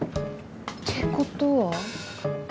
ってことは？